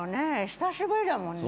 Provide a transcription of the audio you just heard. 久しぶりだもんね。